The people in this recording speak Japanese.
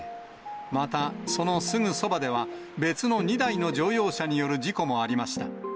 またそのすぐそばでは、別の２台の乗用車による事故もありました。